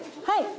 はい。